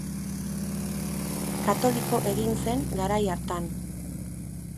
Katoliko egin zen garai hartan.